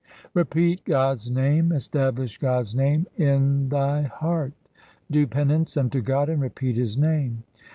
Repeat God's name, establish God's name in thy heart : Do penance unto God, and repeat His name.